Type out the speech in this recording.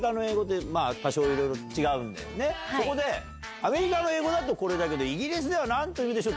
アメリカの英語だとこれだけどイギリスでは何でしょう？